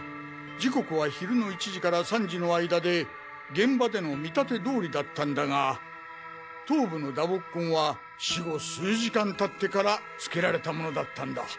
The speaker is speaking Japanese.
時刻は昼の１時から３時の間で現場での見立て通りだったんだが頭部の打撲痕は死後数時間経ってからつけられたものだったんだ。